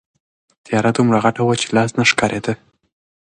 تیاره دومره غټه وه چې لاس نه ښکارېده.